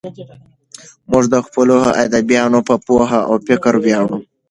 موږ د خپلو ادیبانو په پوهه او فکر ویاړو.